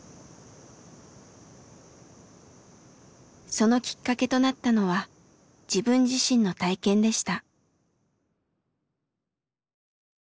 そのきっかけとなったのは自分自身の体験でした。